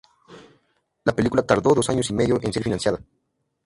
La película tardó dos años y medio en ser financiada.